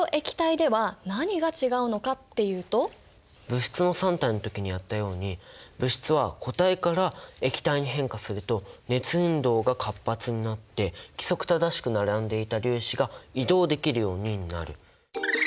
物質の三態の時にやったように物質は固体から液体に変化すると熱運動が活発になって規則正しく並んでいた粒子が移動できるようになる。